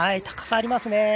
高さ、ありますね。